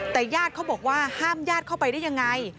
แต่ญาติเขาบอกว่าห้ามญาติเข้าไปได้ยังไง